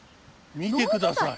見てください。